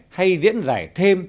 hay diễn giải thêm